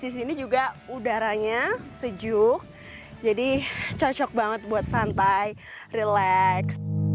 di sini juga udaranya sejuk jadi cocok banget buat santai relax